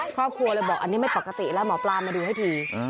ครอบครัวเลยบอกอันนี้ไม่ปกติแล้วหมอปลามาดูให้ที